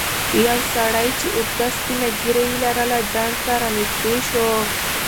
یو سړی چې اوږده سپینه ږیره یې لرله ډنډ ته رانږدې شو.